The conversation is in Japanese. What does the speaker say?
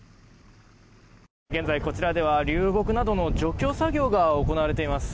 現在、こちらでは流木などの除去作業が行われています。